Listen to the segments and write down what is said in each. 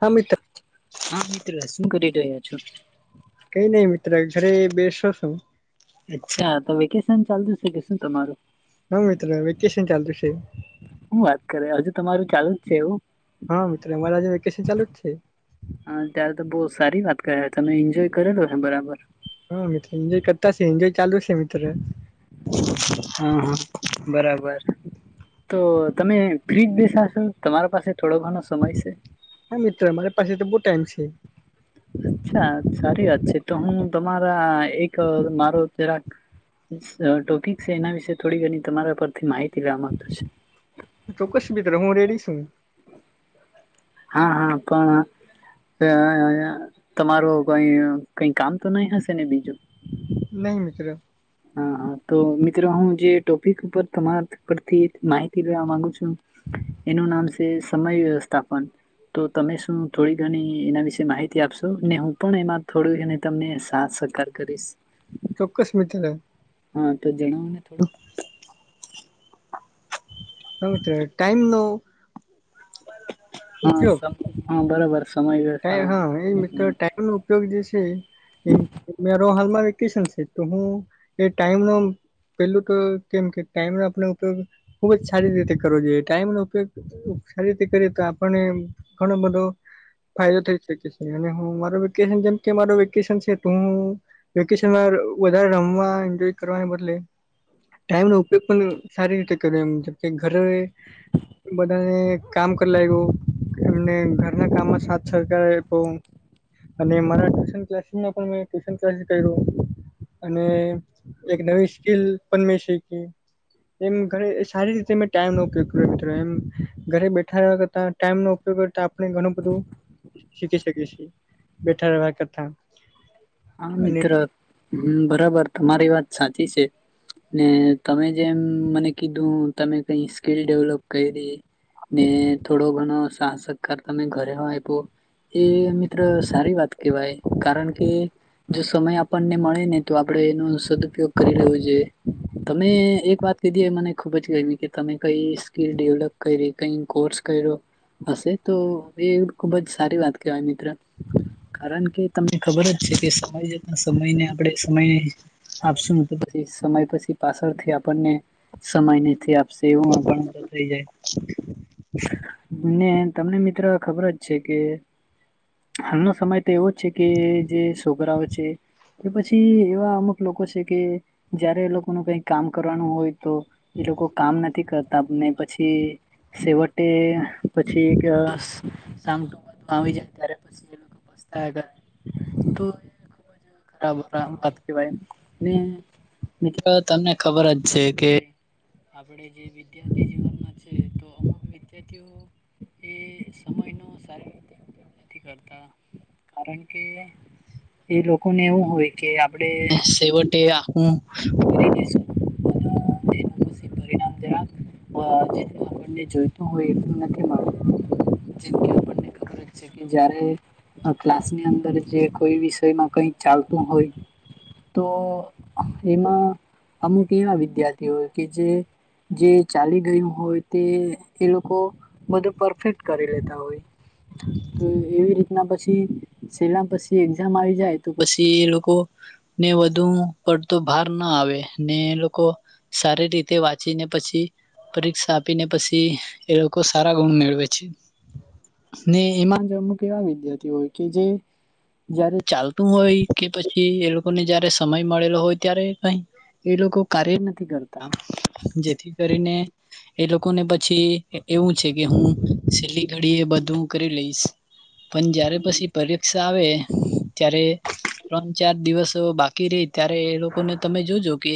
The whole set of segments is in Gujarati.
હમે તો હા મિત્રો શું કરી રહ્યા છો? કઈ ની મિત્ર ઘરે બેસો છું. અચ્છા તો વેકેશન ચાલતું છે કે શું તમારું? હા મિત્ર વેકેશન ચાલતુ છે. શું વાત કરે હજુ તમારું ચાલુ જ છે એવું. હા મિત્રો મારે હજી વેકેશન ચાલે જ છે. હા ત્યારે તો બો સારી વાત કર તમે એન્જોય કરેલો છે બરાબર. હા મિત્ર એન્જોય કરતા છે, એન્જોય ચાલુ છે મિત્ર. હા બરાબર. ઓ તમે ફ્રી જ બેઠાસો તમારા પાસે થોડો ઘણો સમય છે? હા મિત્ર મારી પાસે તો બો ટાઈમ છે. અચ્છા સારી વાત છે તો હું તમારા એક મારો જરાક ટોપિક છે એના વિશે થોડી ઘણી તમારા પરથી માહિતી લેવા માંગતો છે. ચોક્કસ મિત્ર હું રેડી છું. હા હા પણ અ અ તમારું કઈ કઈ કામ તો નઈ હશે ને બીજું. ના મિત્ર. હા હા. તો મિત્રો હું જે ટોપિક ઉપર તમારા પરથી માહિતી લેવા માંગુ છું એનું નામ છે સમય વ્યવસ્થાપન. તો તમે શું થોડી ઘણી એના વિશે માહિતી આપશો ને હું પણ એમાં થોડી ઘણી તમને સાથ સક સરકાર કરીશ. ચોક્કસ મિત્ર હા તો જણાવો ને થોડુંક. હા તો ટાઈમ નું હા સમ હા બરોબર સમય વ્યવસ્થા નું નો ઉપયોગ જે છે જેમ મારો હાલમાં વેકેશન છે તો હું એ ટાઈમનો પેલું તો કેમ કે ટાઈમ નો આપનો ઉપયોગ ખુબ જ સારી રીતે કરવો જોઈએ. ટાઈમ નો ઉપયોગ સારી રીતે કરીએ તો આપને એમ ઘણો બધો ફાયદો થઈ શકે છે અને હું મારો વેકેશન જેમ કે મા મારું વેકેશન છે તો હું વેકેશનમાં વધારે રમવા, એન્જોય કરવાને બદલે ટાઈમનો ઉપયોગ પણ સારી રીતે કરી એ જેમ કે ઘરે બધા એ કામ કરલાયખું અને ઘરના કામમાં સાથ સહકાર અને મારા ટ્યુશન ક્લાસીસ માં પણ મે ટ્યુસન ક્લાસીસ કર્યું. અને એક નવી સ્કીલ પણ મેં શીયખી. એમ ઘરે સારી રીતે મેં ટાઈમ નો ઉપયોગ એમ ઘરે બેઠા કરતા ટાઈમ નો ઉપયોગ કરતા આપણે ઘણું બધું શીખી શકીએ છે બેઠા રહેવા કરતા. હા મિત્ર બરાબર તમારી વાત સાચી છે. ને તમે જેમ મને કીધું તમે કઈ સ્કીલ ડેવલપ કયરી ને થોડો ઘણો સાથસહકાર તો મે ઘરે હો આયપો. એ મિત્ર સારી વાત કેવાય કારણ કે, જો સમય આપણને મળે ને તો આપડે એનો સદ્ઉપયોગ કરી લેવું જોએ તમે એક વાત કીધી એ મને ખુબ જ ગરમી કે તમે કઈ સ્કીલ ડેવલ્પ કયરી? કં‌ઈ કોર્સ કયરો હશે તો એ ખુબ જ સારી વાત કહેવાય મિત્ર કારણ કે, તમને ખબર જ હશે કે સમય જતાં સમયને આપણે સમયે આપશુ તો પછી સમય પછી પાસળથી આપણને સમય નથી આપશે એવું પણ તો થઇ જાય ને તમને મિત્ર ખબર જ છે કે, હાલનો સમય તો એવો જ છે કે, જે સોકરાઓ છે કે પછી એવા અમુક લોકો છે કે, જ્યારે એ લોકોનું કંઈ કામ કરવાનું હોય તો ઈ લોકો કામ નથી કરતાને પછી શેવટે પછી એક [unintelligible] આવી જાય ત્યારે પસી [inaudible] [unintelligible] ને મિત્રો તમને ખબર જ છે કે, આપણે જે વિદ્યા ર્થી જીવનમાં છે, તો અમુક વિદ્યાર્થીઓ એ સમયનો સારી [inaudible] નથી કરતા કારણ કે, ઈ લોકોને એવું હોય કે, આપડે શેવટે [unintelligible] પણ [unintelligible] પરિણામ [unintelligible] આપણને જોઈતું હોય એટલું નથી મળતું જેમકે, આપણને ખબર જ છે કે, જ્યારે આ કલાસ ની અંદર જે કોઈ વિષયમાં કંઈક ચાલતું હોય તો એમાં અમુક એવા વિદ્યાર્થીઓ કે જે જે ચાલી ગયું હોય તે એ લોકો બધું પરફેક્ટ કરી લેતાં હોય તો એવી રીતના પછી સેના પસી એક્ઝામ આવી જાય તો પછી એ લોકો ને વધુ પડતો ભાર ના આવે ને લોકો સારી રીતે વાંચ ચીને પછી પરીક્ષા આપીને પસી એ લોકો સારા ગુણ મેળવે છે. ને એમાં જે અમુક એવા વિદ્યાર્થી હોય કે, જે જ્યારે ચાલતું હોય કે પછી એ લોકોને જયારે સમય મળેલો હોય ત્યારે કાંઈ એ લોકો કાર્ય નથી કરતાં જેથી કરીને એ લોકોને પછી એવું છે કે, હું સેલ્લી ઘડીએ બધું કરી લઈશ. પન જ્યારે પછી પરીક્ષા આવે ત્યારે ત્રણ ચાર દિવસ બાકી રેય ત્યારે એ લોકોને તમે જોજો કે,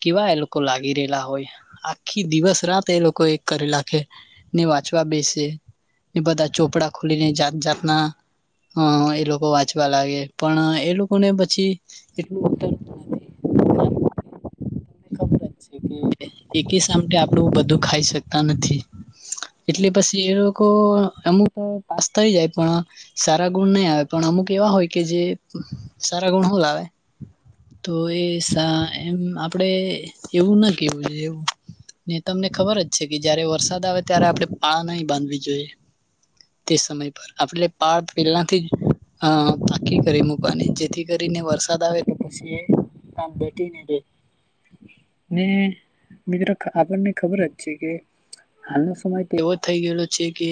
કેવા એ લોકો લાગી રહેલા હોય આખી દિવસ રાત એ લોકો એક કરે લાખે. ની વાંચવા બેસે. ને બધા ચોપડા ખોલીને જાત જાતના. હા એ લોકો વાંચવા લાગે પણ એ લોકો ને પછી એટલું [inaudible] કાર ખબર જ છે કે, એકી સામટેચમ આપડું બધું ખાઈ શકતા નથી. એટલે પછી એ લોકો અમુક તો પાસ થઈ જાય પણ. સારા ગુણ નય આવે પણ અમુક એવા હોય કે જે સારા ગુણ હો લાવે. તો એ સા એમ આપડે એવું ના કેવું જોએ એવું. ને તમને ખબર જ છે કે, જ્યારે વરસાદ આવે ત્યારે આપણે પા નહી બાંધવી જોઈએ. તે સમય પર આપણે પાળ પેલ્લાથી જ અ પાકી કરી મૂકવાની. જેથી કરીને વરસાદ આવે તો પસી એ કામ [inaudible] ને મિત્ર આપણને ખબર જ છે, કે હાલનો સમય તેવો થઈ ગયેલો છે, કે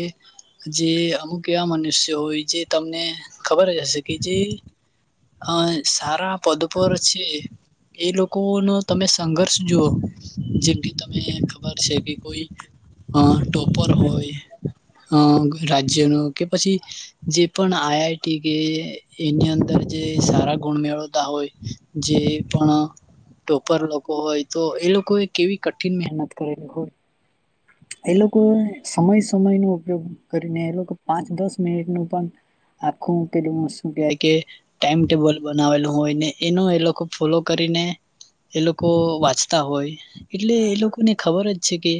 જે અમુક એવા મનુષ્ ય હોય છે, તમને ખબર જ હશે, કે જે અહ સારા પદ પર છે. એ લોકોનો તમે સંઘર્ષ જુઓ જેમ કે તમે ખબર છે, [unintelligible] અહ ટોપર હોય, અહ રાજ્યોનો, કે પછી જે પણ આઈ આઈ ટી કે એની અંદર જે સારા ગુણ મેળવતા હોય જે પણ ટોપર લોકો હોય તો એ લોકોએ કેવી કઠિન મહેનત કરેલી હોય. એ લોકો સમય-સમય નો ઉપયોગ કરીને, એ લોકો પાંચ દસ મિનિટ નું પણ આખું પહેલું શું કહેવાય, કે ટાઈમ ટેબલ બનાવેલું હોય ને, એનું એ લોકો ફોલો કરીને એ લોકો વાંચતા હોય. એટલે એ લોકોને ખબર જ છે કે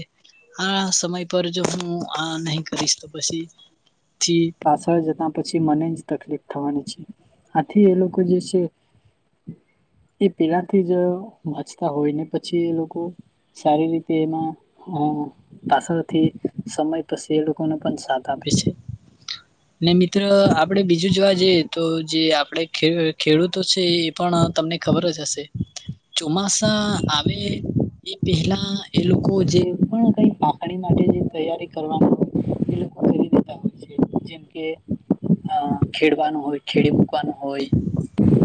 હા, સમય પર જો હું આ નહી કરીશ, તો પછીથી પાછળ જતા પછી મને જ તકલીફ થવાની છે આથી એ લોકો જે છે એ પહેલાથી જ વાંચતા હોયને, પછી એ લોકો સારી રીતે એમાં પાછળથી સમય પછી એ લોકોને પણ સા થ આપે છે. ને, મિત્ર આપણે બીજું જોવા જઈએ, તો જે આપણે જ ખેડૂતો છે એ પણ અ તમને ખબર જ હશે. ચોમાસા આવે, એ પહેલા એ લોકો જે પણ કઈ પાખણી માટે જે તૈયારી કરવાની હોય. એ લોકો કરી દેતા હોય છે. જે કે અ ખેડવાનું હોય છે ખેડી મૂકવાનું હોય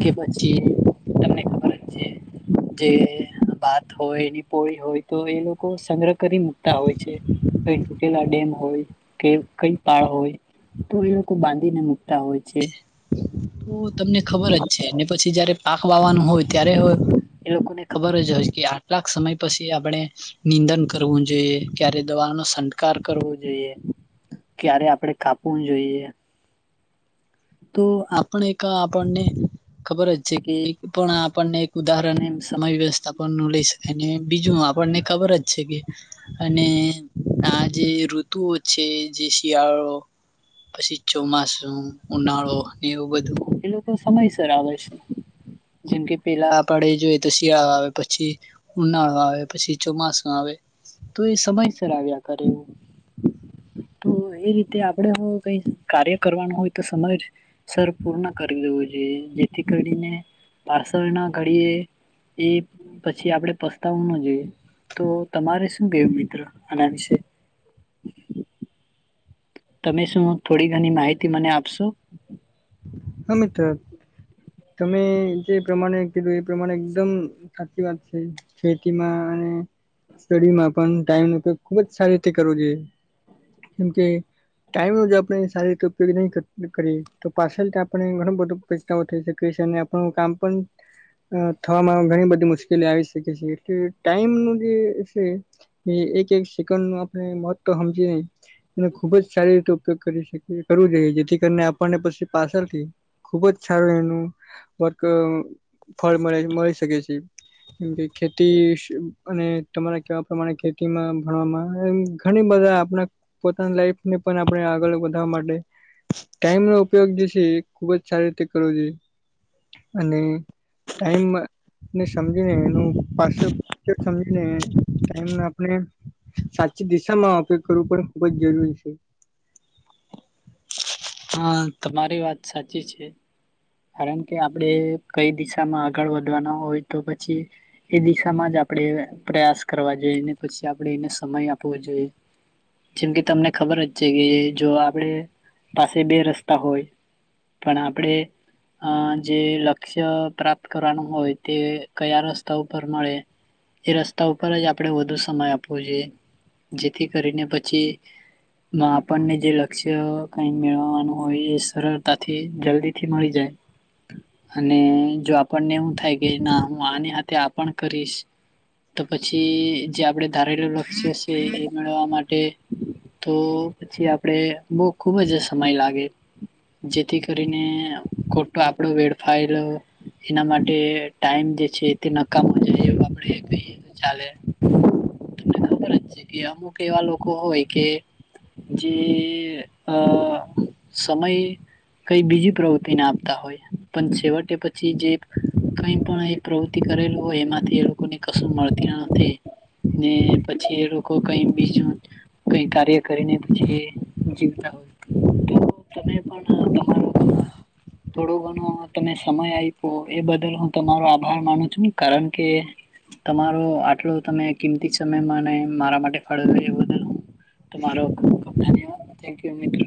કે પછી, તમને ખબર જ છે જે ભાત હોય, એની પોળી હોય તો એ લોકો સંગ્રહ કરી મુકતા હોય છે. કઈ તૂટેલા ડેમ હોય કે કય પાળ હોય. તો એ લોકો બાંધીને મુકતા હોય છે. તો તમને ખબર જ છે ને, પછી જયારે પાક વાવાનું હોય, ત્યારે હવે એ લોકોને ખબર જ હોય કે આટલાક સમય પછી આપણે નિંદન કરવું જોઈએ. ક્યારે દવાનો સંડ કાર કરવો જોઈએ ક્યારે આપડે કાપવું જોઈએ. તો આપણ એક આપણને ખબર જ છે કે પણ આપણને ઉદાહરણ એમ સમય વ્યવસ્થા પણ ન લઈ શકાય ને બીજું આપણને ખબર જ છે કે, અને આ જે ઋતુઓ છે. જે શિયાળો પછી ચોમાાસું ઉનાળો એવું બધું એ લોકો સમયસર આવે છે. જેમ કે પહેલા આપડે જોઈએ તો શિયાળો આવે, પછી ઉનાળો આવે, પછી ચોમાસું આવે તો એ સમયસર આવ્યા કરે એવું. તો એ રીતે આપણે એવું કઈ કાર્ય કરવાનું હોય. તો સમય સર પૂર્ણ કરી દેવો જોઈએ, જેથી કરીને પાર્સલના ઘડીએ એ પછી આપણે પસ્તાવવું ન જોઈએ. તો તમારે શું કેવું મિત્ર આના વિશે? તમે શું થોડી ઘણી માહિતી મને આપશો? હા મિત તમે જે પ્રમાણે કીધું એ પ્રમાણે એકદમ સાચી વાત છે. ખેતીમાં અને સ્ટડીમાં પણ ટાઈમનો ઉપયોગ ખુબ જ સારી રીતે કરવો જોઈએ. કેમકે ટાઈમ જ આપણે સારી રીતે ઉપયોગ નહી કરીએ, તો પાસળ [unintelligible] આપને ઘણું બધું થઈ શકે છે અને આપણું કામ પણ થવામાં ઘણી બધી મુશ્કેલી આવી શકે છે. એટલે ટાઈમનું જે છે. એક એક સેકન્ડનું આપણે મહત્વ હમજીએ નય. એ ખુબ જ સારી રીતે ઉપયોગ કરી શકીએ, કરવો જોઈએ. જેથી કરીને આપણને પછી પાછળ ખુબ જ સારું એનું વક ફળ મળે મળી શકે છે. [unintelligible] કે ખેતી અને તમારા કેવા પ્રમાણે ખેતીમાં ભણવામાં એમ ઘણી બધા આપણા પોતાની લાઈફને પણ આપણે આગળ વધારવા માટે ટાઈમનો ઉપયોગ જે છે. એ ખુબ સારી રીતે કરવો જોઈએ અને ટાઈમમાં ને સમજીને, એનું [unintelligible] સમજીને ટાઈમ આપણે- સાચી દિશામાં ઉપયોગ કરવો પણ, ખુબ જ જરૂરી છે. હા તમારી વાત સાચી છે. કારણ કે આપણે કંઈ દિશામાં આગળ વધવાના હોય તો પછી એ દિશામાં જ આપણે પ્રયાસ કરવા જોઈ. ને પછી આપણે એને સમય આપવો જોઈએ. જેમ કે તમને ખબર જ છે કે જો આપણે પાસે બે રસ્તા હોય પણ આપણે અહ જે લક્ષ્ય પ્રાપ્ત કરવાનું હોય, તે કયાં રસ્તા ઉપર મળે એ રસ્તા ઉપર જ આપણે વધુ સમય આપ પવો જોઈએ. જેથી કરીને પછીનો આપણને જે લક્ષ્ય કંઈ મેળવવાનું હોય એ સરળતાથી જલ્દી થી મળી જાય. અને જો આપણને એવું થાય, કે ના હું આને હાથે આ પણ કરીશ. તો પછી જે આપણે ધારેલું લક્ષ્ય છે એ મેળવવા માટે તો પછી આપણે બહુ ખુબ જ સમય લાગે. જેથી કરીને ખોટો આપણો વેડફાઈલો એના માટે ટાઈમ જે છે તે નકામો જાય, એવું આપણે કહીએ તો ચાલે. તમને ખબર જ છે કે અમુક એવા લોકો હોય કે જે આ સમય કંઈ બીજી પ્રવૃત્તિને આપતા હોય. પણ છેવટે પછી જે કંઈ પણ એ પ્રવૃતિ કરેલ હોય એમાંથી એ લોકો ને કશું મળતી નથી. અને પછી એ લોકો કંઈ બીજું, કંઈ કાર્ય કરીને પછી જી વતાં હોય. તો તમે પણ આ તમારું [inaudible] થોડું ઘણો તમે સમય આઈપો એ બદલ હું તમારો આભાર માનું છું. કારણ કે તમારો આટલો તમે કિંમતી સમય મને મારા માટે ફાળવ્યો એ બદલ. તમારો ખૂબ-ખૂબ ધન્યવાદ. થેન્ક યુ મિત્ર.